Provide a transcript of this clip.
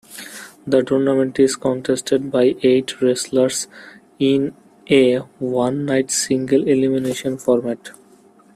The tournament is contested by eight wrestlers in a one-night single-elimination format.